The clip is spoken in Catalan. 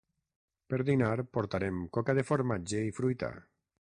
Per dinar portarem coca de formatge i fruita.